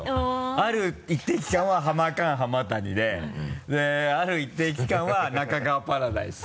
ある一定期間はハマカーン浜谷である一定期間は中川パラダイス。